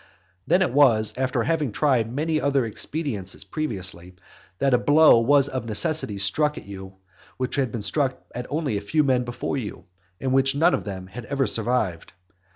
Then it was, after having tried many other expedients previously, that a blow was of necessity struck at you which had been struck at only few men before you, and which none of them had ever survived.